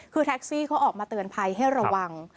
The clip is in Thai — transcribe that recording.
คือแท็กซี่เขาออกมาเตือนภัยให้ระวัง